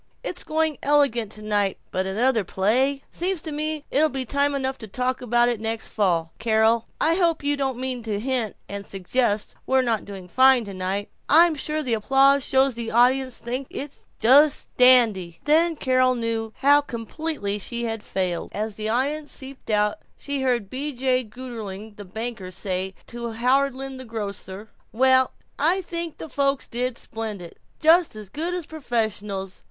It's going elegant tonight, but another play Seems to me it'll be time enough to talk about that next fall. Carol! I hope you don't mean to hint and suggest we're not doing fine tonight? I'm sure the applause shows the audience think it's just dandy!" Then Carol knew how completely she had failed. As the audience seeped out she heard B. J. Gougerling the banker say to Howland the grocer, "Well, I think the folks did splendid; just as good as professionals.